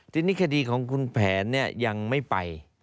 ทีนี้คดีของคุณแผนยังไม่ไป